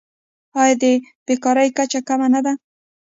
آیا د بیکارۍ کچه کمه نه ده؟